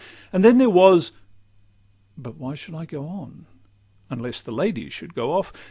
And then there was—but why should I go on, Unless the ladies should go off?